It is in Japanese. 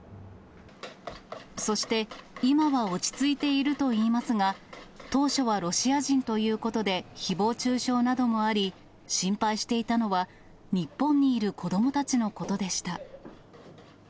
そして、今は落ち着いているといいますが、当初はロシア人ということで、ひぼう中傷などもあり、心配していたのは、日本にいる子どもたちのことでした。